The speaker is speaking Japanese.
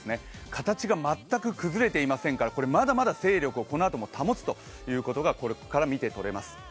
形が全く崩れていませんからまだまだ勢力をこのあとも保つということがこれを見てとれます。